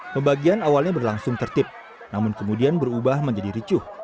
pembagian awalnya berlangsung tertib namun kemudian berubah menjadi ricuh